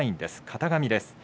型紙です。